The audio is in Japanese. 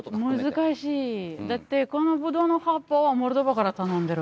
だってこのぶどうの葉っぱはモルドバから頼んでる。